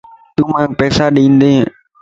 تو مانک پيسا ڏيندين